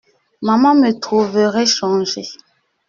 Maman me trouverait changé.